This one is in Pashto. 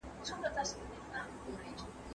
پرمختللې ټکنالوژي د توليد کچه لوړه کوي.